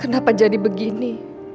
kenapa jadi begini